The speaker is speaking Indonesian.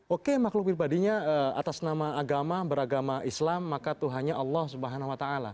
oke makhluk pribadinya atas nama agama beragama islam maka tuhannya allah swt